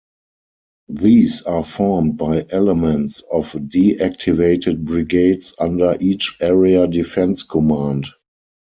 These are formed by elements of de-activated brigades under each area defense command.